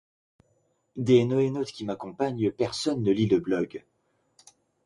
Des NoéNautes qui m’accompagnent, personne ne lit le blog.